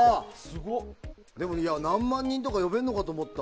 でも何万人とか呼べるかと思った。